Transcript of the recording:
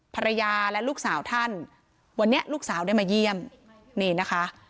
ภรรยาและลูกสาวท่านวันนี้ลูกสาวได้มาเยี่ยมนี่นะคะ